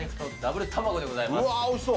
うわー、おいしそう。